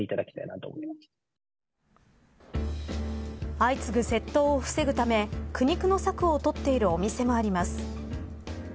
相次ぐ窃盗を防ぐため苦肉の策をとっているお店もあります。